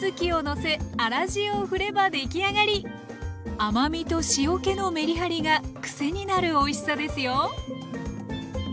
甘みと塩けのメリハリがくせになるおいしさですよ。